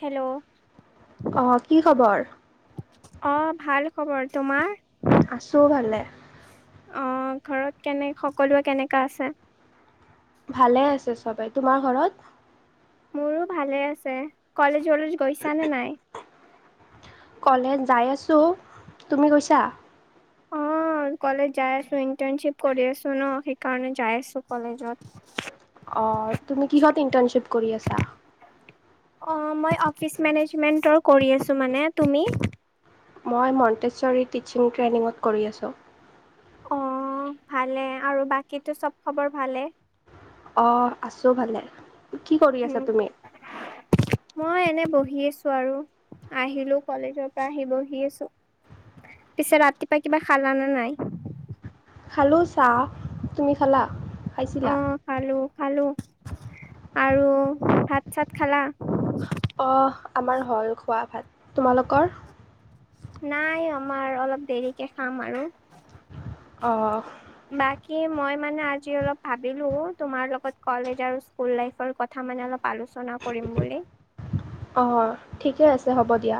Hello অ কি খবৰ অ ভাল খবৰ তোমাৰ? আছো ভালে অ ঘৰত কেনে সকলোৱে কেনেকা আছে ভালে আছে চবে তোমাৰ ঘৰত মোৰো ভালে আছে কলেজ চলেজ গৈছা নে নাই ক'লেজ যাই আছো তুমি গৈছা অ কলেজ যাই আছো ইণ্টাৰ্নশ্বিপ কৰি আছো ন সেইকাৰণে যাই আছো কলেজত অ তুমি কিহত ইণ্টাৰ্ণশ্বিপ কৰি আছা? অ মই অফিচ মেনেজমেন্টৰ কৰি আছো মানে তুমি মই মন্তেশ্বৰী টিচিং ট্ৰেইনিঙত কৰি আছো অ ভালে আৰু বাকীটো চব খবৰ ভালে অ আছো ভালে কি কৰি আছা তুমি? [unintelligible] মই এনে বহি আছো আৰু আহিলো কলেজৰ পৰা আহি বহি আছো। পিছে ৰাতিপুৱা কিবা খালা নে নাই খালো চাহ তুমি খালা অ খাইছিলা খালো খালো আৰু ভাত চাত খালা অ আমাৰ হল খোৱা ভাত তোমালোকৰ? নাই আমাৰ অলপ দেৰিকে খাম আৰু অ বাকী মই মানে আজি অলপ ভাবিলো তোমাৰ লগত কলেজ আৰু স্কুল লাইফৰ ক থা মানে অলপ আলোচনা কৰিম বুলি। অ ঠিকে আছে হ'ব দিয়া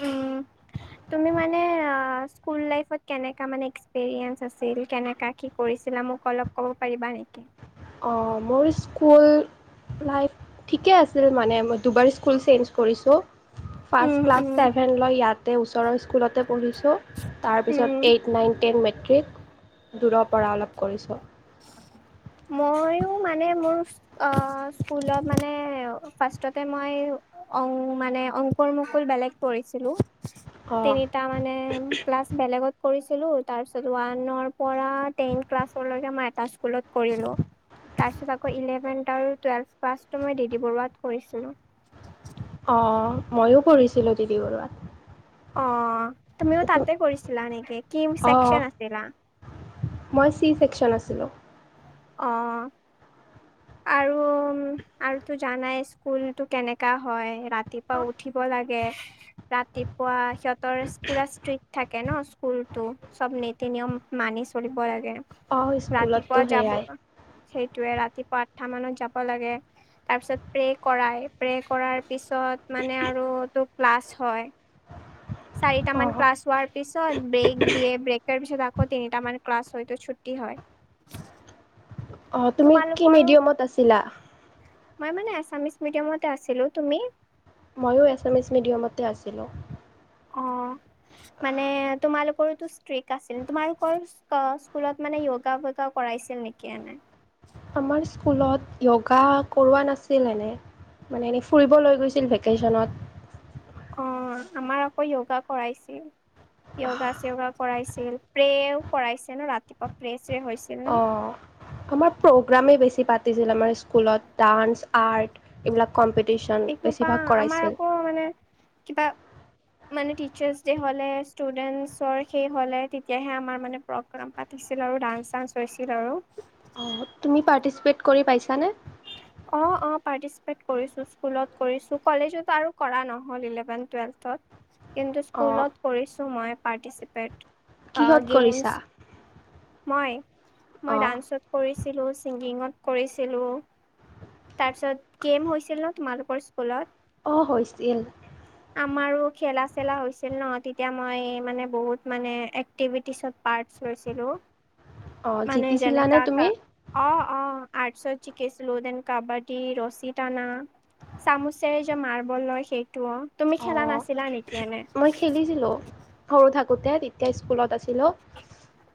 উম তুমি মানে স্কুল লাইফত আ কেনেকা মানে এক্সপেৰিয়েঞ্চ আছিল কেনেকা কি কৰিছিলা মোক অলপ ক'ব পাৰিবা নেকি অহ মোৰ স্কুল লাইফ ঠিকে আছিল মানে মই দুবাৰ স্কুল চেঞ্জ কৰিছো উম ফাষ্ট ক্লাছ উম ছেভেন মই ইয়াতে ওচৰৰ স্কুলতে পঢ়িছো উম তাৰপিছত এইট নাইন টেন মেট্ৰিক দূৰৰ পৰা অলপ কৰিছো। ময়ো মানে মোৰ অ স্কুলত মানে ফাৰ্ষ্ষ্টতে মই অ মানে অংকুৰ মুকুল বেলেগ পঢ়িছিলো অঁ তিনিটা মানে ক্লাছ বেলেগত কৰিছিলো তাৰ পিছত ওৱানৰ পৰা টেন ক্লাছলৈকে মই এটা স্কুলত কৰিলো তাৰপিছত আকৌ ইলেভেন্ আৰু টুৱেলভ ক্লাছটো মই দি দি বৰুৱাত কৰিছিলো অ ময়ো পঢ়িছিলো দি দি বৰুৱাত। অ তুমিও তো তাতে কৰিছিলা নেকি কি অঁ চেকচন আছিলা মই চি চেকচন আছিলো অ আৰু আৰুতো জানাই স্কুলটো কেনেকা হয় ৰাতিপুৱা উঠিব লা কে ৰাতিপুৱা সিহঁতৰ পুৰা ষ্ট্ৰিক থাকে ন কোলটো চব নীতি নিয়ম মানি চলিব লাগে অঁ স্কুলততো ৰাতিপুৱা যাব সেয়াই সেইটোয়ে ৰাতিপুৱা আঠটা মানত যাব লাগে তাৰ পিছত প্ৰে কৰাই প্ৰে কৰাৰ পিছত মানে আৰু ত ক্লাছ হয় চাৰি টা অঁ মান ক্লাছ হোৱাৰ পিছত ব্ৰেক দিয়ে ব্ৰেকৰ পিছত আকৌ তিনিটা মান ক্লাছ হয়তো ছুটি হয়। অহ তুমি কি তোমালোকৰো মিডিয়ামত আছিলা? মই মানে এছামিছ মিডিয়ামতে আছিলো তুমি ময়ো এছামিছ মিডিয়ামতে আছিলো। অ মানে তোমালোকৰতো স্ত্ৰীক আছিল তোমালোকৰ স্কুলত মানে য়োগা বোগা কৰাইছিল নেকি এনে? আমাৰ স্কুলত য়োগা কৰোৱা নাছিল এনে মানে এনেই ফুৰিব লৈ গৈছিল ভেকেশ্বনত। অ আমাৰ আকৌ য়োগা কৰাইছিল য়োগা চিয়গা কৰাইছিল প্ৰেও কৰাইছে ন ৰাতিপুৱা প্ৰে চ্ৰে হৈছিল। ন? অ আমাৰ প্ৰগ্ৰোমেই বেছি পাতিছিল আমাৰ স্কুলত ডান্স আৰ্ট এইবিলাক কম্পিটিশ্যন এসোপা বেছিভাগ আমাৰ কৰাইছিল। আকৌ মানে কিবা মানে টিচাৰ্ছ দে হলে ষ্টুডেন্টচৰ সেই হলে তেতিয়াহে আমাৰ মানে প্ৰগ্ৰাম পাতিছিল আৰু ডান্স চান্স হৈছিল আৰু অ তুমি পাৰ্টিচিপেট কৰি পাইছানে? অ অ পাৰ্টিচিপেট কৰিছো স্কুলত কৰিছো কলেজতো আৰু কৰা নহ'ল ইলেভেন টুৱেলথত কিন্তু অঁ স্কুলত কৰিছো মই পৰ্তিছিপেত কিহত গেম কৰিছা মই মই অঁ ডান্সত কৰিছিলো, ছিংগিঙত কৰিছিলোঁ তাৰপিছত গেম হৈছিল ন তোমালোকৰ স্কুলত? অ হৈছিল আমাৰো খেলা চেলা হৈছিল ন তেতিয়া মই মানে বহুত মানে এক্টিভিটিছত পাৰ্টছ লৈছিলো অঁ মানে জিতিছিলানে যেনেকা কা তুমি অ অ আৰ্টছত জিকিছিলো দেন কাবাডী, ৰছী টানা, চামুচেৰে যে মাৰ্বল লয় সেইটোও তুমি খেলা নাছিলা নেকি এনে? ছিলোঁ সৰু থাকোতে তেতিয়া স্কুলত আছিলো।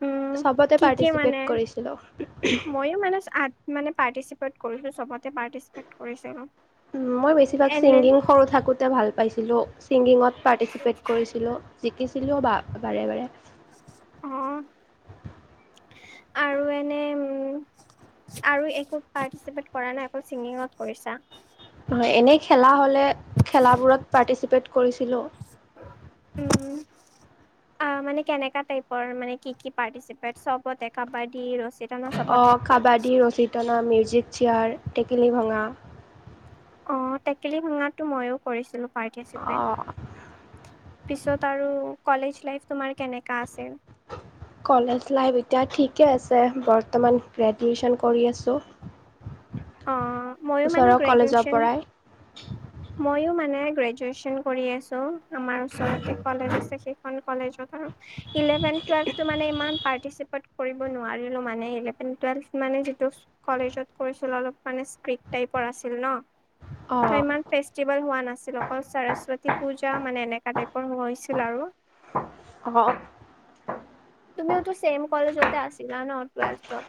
উম চবতে কি কি মানে পাৰ্টিচিপেট কৰিছিলো। মইয়ো মানে আৰ্ট মানে পাৰ্টিচিপেট কৰিছো চবতে পাৰ্টিচপেট কৰিছিলো। মই বেছিভাগ এনে ছিংগিং সৰু থাকোতে ভাল পাইছিলো, ছিংগিঙত পাৰ্টিচিপেট কৰি ছিলো জিকিছিলোও বা বাৰে বাৰে অ আৰু এনে উম আৰু একো পাৰ্টিচিপেট কৰা নাই অকল চিংগিঙত কৰিছা? হয় এনেই খেলা হ'লে খেলাবোৰত পাৰ্টিচিপেট কৰিছিলো। উম আ মানে কেনেকা টাইপৰ মানে কি কি পাৰ্টিচিপেট চবতে কাবাডী ৰচি অ কাবাডী, ৰচী টনা, মিউজিক চেয়াৰ, টেকেলি ভঙা অ টেকেলি ভঙাটো ময়ো কৰিছিলো পাৰ্টিচিপেট অ' পিছত আৰু কলেজ লাইফ তোমাৰ কেনেকা আছে কলেজ লাইফ এতিয়া ঠিকে আছে বৰ্তমান গ্ৰেজুৱেচন কৰি আছো। অ ওচৰৰ কলেজৰ পৰাই [inaudible] ময়ো মানে গ্ৰেজুৱেচন কৰি আছো আমাৰ ওচতে কলেজ আছে সেইখন কলেজত আৰু। ইলেভেন্ট টোয়েল্ভটো মানে ইমান পাৰ্টিশ্বিপেট কৰিব নোৱাৰিলো মানে, ইলেভেন্ট টোয়েলভ মানে যিটোছ কলেজত কৰিছিল অলপ মানে ষ্ট্ৰিক টাইপৰ আছিল ন ত অঁ ই ফেষ্টিভেল হোৱা নাছিল অকল সৰস্বতী পূজা মানে এনেকুৱা টাইপৰ হৈ হৈছিল আৰু। অঅক [unintelligible] তুমিওতো ছেম কলেজতে আছিলা ন টুৱেল্থত।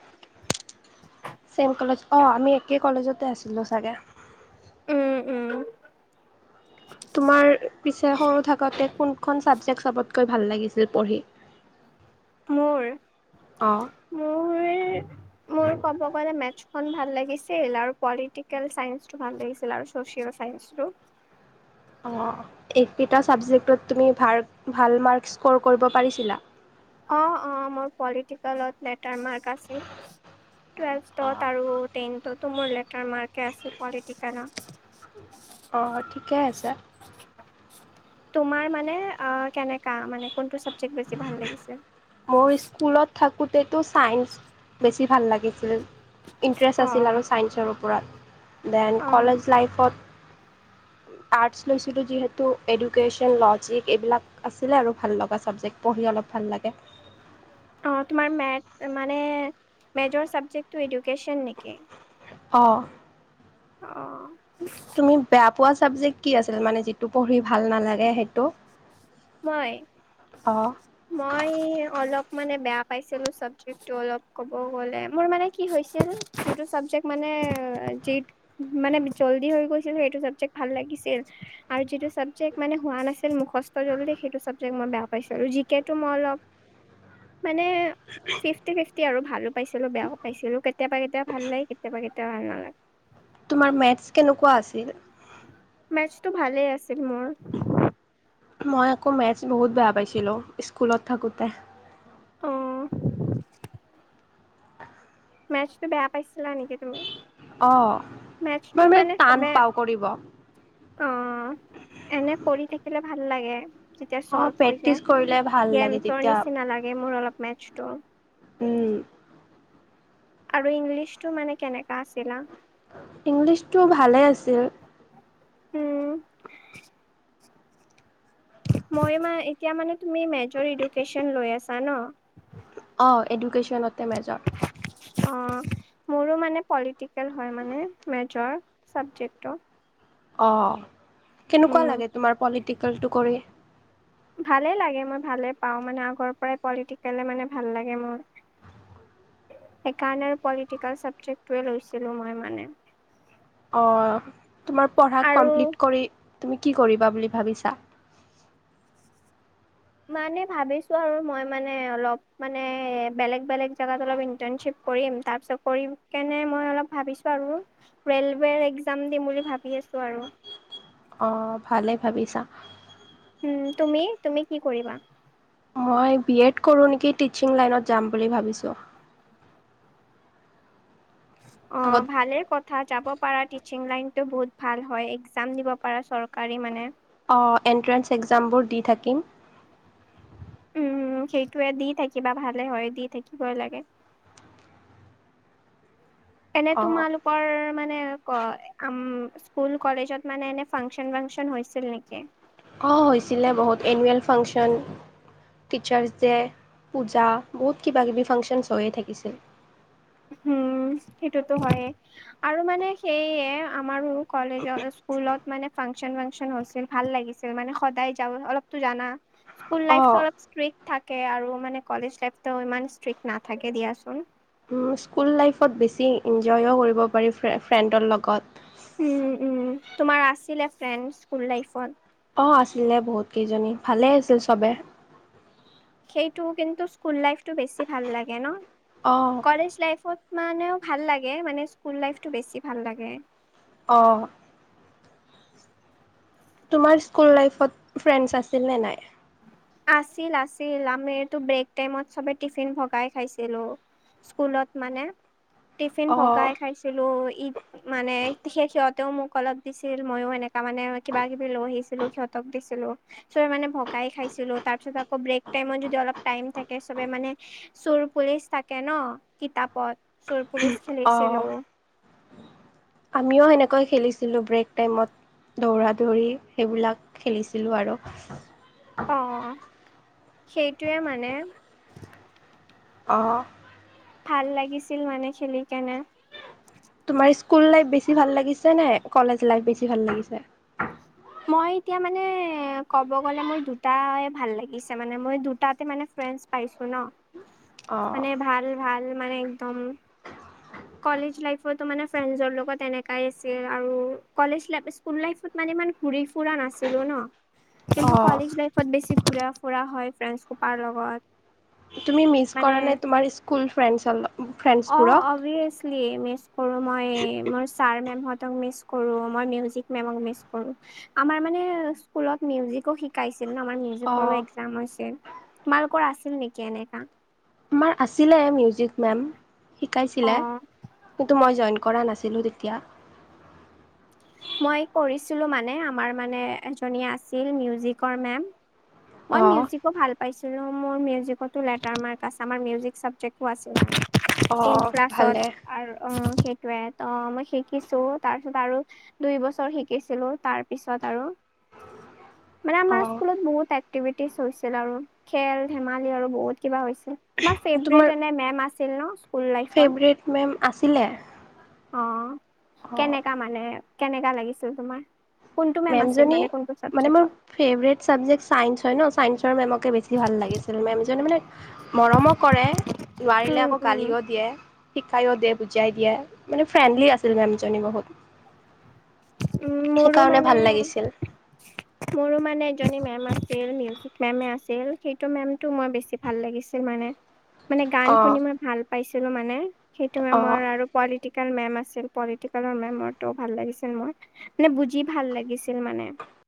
ছেম কলেজ অঁ আমি একে কলেজতে আছিলোঁ চাগে, উম উম তোমাৰ পিছে সৰু থাকোতে কোনখন ছাবজেক্ট চবতকৈ ভাল লাগিছিল পঢ়ি? মোৰ অঁ মোৰ মোৰ ক'ব গ'লে মেথছখন ভাল লাগিছিল আৰু পলিটিকেল চাইন্সটো ভাল লাগিছিল আৰু। ছোচিয়েল চাইঞ্চটো। অঁ এইকেইটা ছাবজেক্টত তুমি ভাৰ ভাল মাৰ্ক স্ক'ৰ কৰিব পাৰিছিলা? অ অ মই পলিটিকেলত লেটাৰ মাৰ্ক আছিল। অঁ টুৱেলভত আৰু টেনতোটো মোৰ লেটাৰ মাৰ্ক আছিল পলিটিকেল। অঁ ঠিকে আছে। তোমাৰ মানে অ কেনেকা মানে কোনটো চাবজেক্ট বেছি ভাল লাগিছে? মোৰ স্কুলত থাকোঁতেতো ছাইন্ঞ্চ বেছি ভাল লাগিছিল। ইণ্টাৰেষ্ট আছিল অ' আৰু ছাইন্ঞ্চৰ ওপৰত। দেন অ' কলেজ লাইফত। আৰ্টছ লৈছিলোঁ যিহেতু এডুকেশ্যন লজিক এইবিলাক আছিলে আৰু ভাল লগা ছাবজেক্ট। পঢ়ি অলপ ভাল লাগে অ তোমাৰ মে মানে মেজৰ চাবজেকটো এডুকেশ্বন নেকি? অঁ অ তুমি বেয়া পোৱা চাবজেক্ট কি আছিল মানে যিটো পঢ়ি ভাল নালাগে সেইটো? মই অ' মই অলপ মানে বেয়া পাইছিলো চাবজেক্টো অলপ ক'ব গলে মোৰ মানে কি হৈছিল যিটো চাবজেক্ট মানে জি মানে জল্দি হৈ গৈছিল সেইটো চাবজেক্ট ভাল লাগিছিল। আৰু যিটো চাবজেক্ট মানে হোৱা নাছিল মোখ দি সেইটো চাবজেক্ট মই বেয়া পাইছো আৰু জি কে টো মই অলপ মানে উ [unintelligible] ফিফটি ফিফটি আৰু ভালো পাইছিলোঁ বেয়া পাইছিলোঁ, কেতিয়াবা কেতিয়াবা ভাল লাগে কেতিয়াবা কেতিয়াবা ভাল নালাগে তোমাৰ মেথছ কেনেকুৱা আছিল? মেথছটো ভালেই আছিল মোৰ মই আকৌ মেথছ বহুত বেয়া পাইছিলোঁ স্কুলত থাকোঁতে। অঁ মেচটো বেয়া পাইছিলা নেকি তুমি? অ মেটচটো মই মানে টান চবে পাওঁ কৰিব। অ এনে কৰি থাকিলে ভাল লাগে। যেতিয়া অ', চল্ভ হৈ প্ৰেক্টিচ যায় কৰিলে ভাল লাগে গেমছৰ তেতিয়া নিচিনা লাগে মোৰ অলপ মেথছটো। উম আৰু ইংলিছ টো মানে কেনেকা আছিলা ইংলিছটো ভালেই আছিল। উম, মই এতিয়া মানে তুমি মেজৰ এডুকেন লৈ আছা ন? অঁ এডুকেশ্যনতে মেজৰ অ মোৰো মানে পলিটিকেল হয় মানে মেজৰ ছাবব্জেক্টৰ অঁ কেনেকুৱা উম, লাগে তোমাৰ পলিটিকেলটো কৰি? ভালে লাগে মই ভালে পাওঁ মানে আগৰ পৰাই পলিটিকেলে মানে ভাল লাগে মোৰ সেইকাৰণে পলিটিকেল ছাবজেক্টোৱে লৈছিলো মই মানে অঁ তোমাৰ পঢ়া আৰু কমপ্লিট কৰি তুমি কি কৰিবা বুলি ভাবিছা? মানে ভাবিছোঁ আৰু মই মানে অলপ মানে বেলেগ বেলেগ জেগাত অলপ ইন্টাৰণশিপ কৰিম তাৰপিছত কৰি কেনে মই অলপ ভাবিছো আৰু ৰেলৱেৰ একজাম দিম বুলি ভাবি আছো আৰু। অ ভালেই ভাবিছা। উম তুমি তুমি কি কৰিবা? মই বিএড কৰো নেকি টিচিং লাইনত যাম বুলি ভাবিছো। অ আগত ভালে ক থা যাব পাৰা টিচিং লাইনটো বহুত ভাল হয় একজাম দিব পাৰা চৰকাৰী মানে। অ এণ্ট্ৰেন্স এক্জামবোৰ দি থাকিম। উম সেইটোয়ে দি থাকিবা ভালে হয় দি থাকিবই লাগে এনে অ'। তোমালোকৰ মানে ক আম স্কুল কলেজত মানে এনে ফাংচন ফাংচন হৈছিল নেকি অ হৈছিলে বহুত annual function teachers day puja বহুত কিবা কিবি ফাংচনছ হৈয়ে থাকিছিল উম সেইটোতো হয়ে আৰু মানে সেইয়ে আমাৰ কলেজত স্কুলত মানে ফাংচন ফাংচন হৈছিল ভাল লাগিছিল মানে সদায় যাও অলপতো জানা স্কুল লাইফটো অ'। অলপ ষ্ট্ৰিক্ট থাকে আৰু মানে কলেজ লাইফটো ইমান ষ্ট্ৰিক্ট নাথাকে দিয়াচোন উম স্কুল লাইফত বেছি এনজয়ো কৰিব পাৰি ফ্ৰে ফ্ৰেণ্ডৰ লগত উম উ তোমাৰ আছিলে ফ্ৰেণ্ড স্কুল লাইফত অ আছিলে বহুত কেইজনী ভালে আছিল চবে সেইটো কিন্তু স্কুল লাইফটো বেছি ভাল লাগে ন অ কলেজ লাইফত মানেও ভাল লাগে মানে স্কুল লাইফটো বেছি ভাল লাগে অ তোমাৰ স্কুল লাইফত ফ্ৰেণ্ডছ আছিল নে নাই আছিল আছিল আমিতো ব্ৰেক টাইমত চবে টিফিন ভগাই খাইছিলো স্কুলত মানে টিফিন অঁ ভগাই খাইছিলো ঈদ মানে সেই সিহঁতেও মোক অলপ দিছিল মইও এনে ত মানে কিবা কিবি লৈ আহিছিলো সিহঁতক দিছিলো চবে মানে ভ গাই খাইছিলোঁ তাৰপিছত আকৌ ব্ৰেক টাইমত যদি অলপ টাইম থাকে চবে মানে চোৰ পুলিচ থাকে ন কিতাপত চোৰ পুলিচ অঁ খেলিছিলো আমিও সেনেকৈ খেলিছিলো ব্ৰেক টাইমত দৌৰা দৌৰি সেইবিলাক খেলিছিলো আৰু অ সেইটোৱে মানে অ ভাল লাগিছিল মানে খেলি কেনে তোমাৰ স্কুল লাইফ বেছি ভাল লাগিছে নে কলেজ লাইফ বেছি ভাল লাগিছে মই এতিয়া মানে ক'ব গ'লে মোৰ দুটাই ভাল লাগিছে মানে মোৰ দুটাতে মানে ফ্ৰেণ্ডছ পাইছো ন অঁ মানে ভাল ভাল মানে একদম কলেজ লাইফতো মানে ফ্ৰেণ্ডৰ লগত এনেকাই আছিল আৰু কলেজ লাই স্কুল লাইফত মানে ইমান ঘুৰি ফুৰা নাছিলো ন কিন্তু অঁ কলেজ লাইফত বেছি ঘূৰা ফুৰা হয় ফ্ৰেণ্ডছ সোপাৰ লগত তুমি মিছ মানে কৰা নাই তোমাৰ স্কুল ফ্ৰেণ্ডছৰ ল ফ্ৰেণ্ডছবোৰক লি মিছ কৰো মই মোৰ ছাৰ মেমহঁতক মিছ কৰো মই মিউজিক মেমক মিছ কৰো আমাৰ মানে স্কুলত মিউজিকো শিকাইছিল ন আমাৰ মিউজিকৰো অঁ একজাম হৈছে তোমালোকৰ আছিল নেকি এনেকা আমাৰ আছিলে মিউজিক মেম অ শিকাইছিলে কিন্তু মই জইন কৰা নাছিলো দেই। এতিয়া মই কৰিছিলোঁ মানে আমাৰ মানে এজনি আছিল মিউজিকৰ মেম। মই অঁ মিউজিক খুব ভাল পাইছিলোঁ। মোৰ মিউজিকতো লেটাৰ মাৰ্ক আছে, আমাৰ মিউজিক চাবজেক আছিল। টেন অঁ ভালে ক্লাছত আৰু অ' সেইটোৱে ত মই শিকিছোঁ তাৰপিছত আৰু দুই বছৰ শিকিছিলোঁ তাৰ পিছত আৰু মানে আমাৰ অঁ স্কুলত বহুত এক্টিভিটিজ হৈছিল আৰু খেল-ধেমালি আৰু বহুত কিবা হৈছিল। তোমাৰ ফেভৰেট এনে মেম আছিল ন'? স্কুল লাইফত? ফেভৰেট মেম আছিলে। অ' অঁ কেনেকা মানে কেনেকা লাগিছিল তোমাৰ? কোনটো মেম আছিল মেমজনী মানে কোনটো মানে মোৰ চাবজেক্টত? ফেভৰেট ছাবজেক্ট ছাইেন্স হয় ন' চায়েঞ্চৰ মেমকে বেছি ভাল লাগিছিল মেম জনী মানে মৰমো কৰে নোৱাৰিলে উম আকৌ উম গালিও দিয়ে। শিকাইও দিয়ে, বুজাই দিয়ে মানে ফ্ৰেণ্ডলি আছিল মেমজনী বহুত। উম, মোৰো সেইকাৰণে মানে ভাল লাগিছিল মোৰো মানে এজনী মেম আছিল মিউজিক মেম আছিল সেইটো মেমটো মই বেছি ভাল লাগিছিল মানে-মানে গান অঁ শুনি মই ভাল পাইছিলোঁ মানে সেইটো মেমৰ অঁ আৰু পলিটিকেল মেম আছিল পলিটিকেলৰ মেমৰটো ভাল লাগিছিল। মোৰ মানে বুজি ভাল লাগিছিল মানে